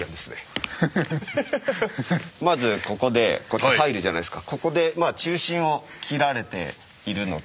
まずここでこう入るじゃないですか。